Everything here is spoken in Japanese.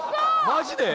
マジで！？